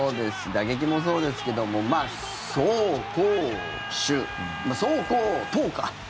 打撃もそうですけども走攻守走行投か。